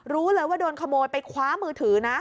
รู้เลยว่าโดนขโมยไปคว้ามือถือนะ